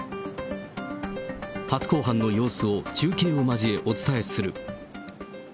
初公判の様子を中継を交え、お伝えする。